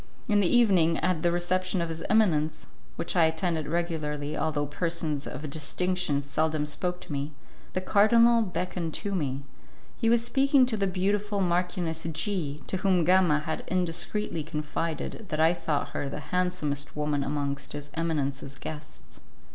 In the evening, at the reception of his eminence, which I attended regularly, although persons of distinction seldom spoke to me, the cardinal beckoned to me. He was speaking to the beautiful Marchioness G , to whom Gama had indiscreetly confided that I thought her the handsomest woman amongst his eminence's guests.